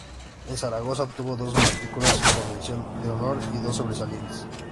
En Zaragoza obtuvo dos matrículas con mención de honor y dos sobresalientes.